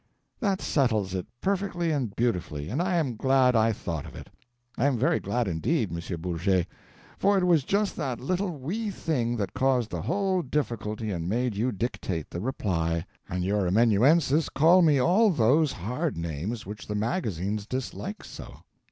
That settles it perfectly and beautifully, and I am glad I thought of it. I am very glad indeed, M. Bourget; for it was just that little wee thing that caused the whole difficulty and made you dictate the Reply, and your amanuensis call me all those hard names which the magazines dislike so.